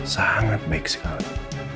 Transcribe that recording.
sangat baik sekali